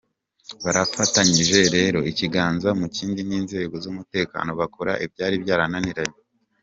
Barafatanyije rero ikiganza mu kindi n’inzego z’umutekano bakora ibyari byarananiranye”.